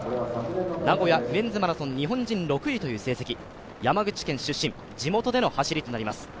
名古屋ウィメンズマラソン日本人６位という成績、山口県出身、地元での走りとなります。